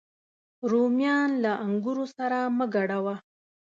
رومیان له انګورو سره مه ګډوه